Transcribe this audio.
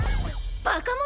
バカ者！